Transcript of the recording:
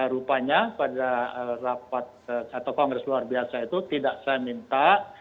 rupanya pada rapat atau kongres luar biasa itu tidak saya minta